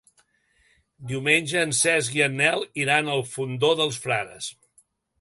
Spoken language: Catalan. Diumenge en Cesc i en Nel iran al Fondó dels Frares.